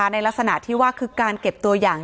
ในลักษณะที่ว่าคือการเก็บตัวอย่าง